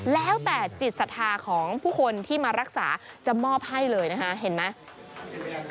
แล้วแต่จิตศรัทธาของผู้คนที่มารักษาจะมอบให้เลยนะคะเห็นไหม